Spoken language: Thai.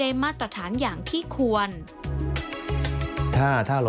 กระแสรักสุขภาพและการก้าวขัด